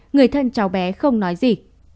người thân cháu bé không nói gì